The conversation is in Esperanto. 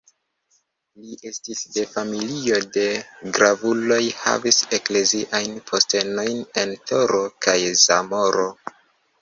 Li estis de familio de gravuloj, havis ekleziajn postenojn en Toro kaj Zamora.